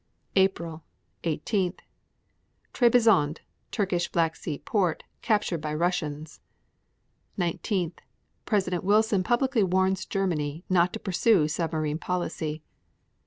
April 18. Trebizond, Turkish Black Sea port, captured by Russians. 19. President Wilson publicly warns Germany not to pursue submarine policy.